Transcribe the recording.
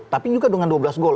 tapi juga dengan dua belas gol